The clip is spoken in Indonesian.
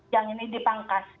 yang ini dipangkas